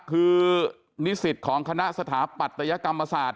คือนิสิตของคณะสถาปัตยกรรมศาสตร์